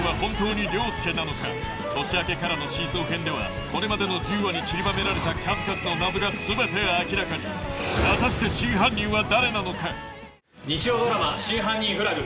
年明けからの真相編ではこれまでの１０話にちりばめられた数々の謎が全て明らかに果たして日曜ドラマ『真犯人フラグ』。